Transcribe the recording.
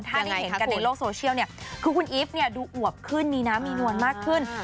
ถ้าได้เห็นกันในโลกโซเชียลเนี่ยคือคุณอีฟเนี่ยดูอวบขึ้นมีน้ำมีนวลมากขึ้น